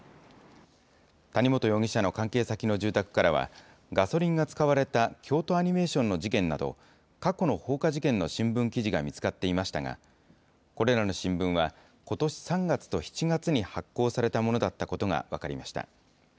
谷本容疑者の関係先の住宅からは、ガソリンが使われた京都アニメーションの事件など、過去の放火事件の新聞記事が見つかっていましたが、これらの新聞はことし３月と７月に発行されたものだったことが分かりました。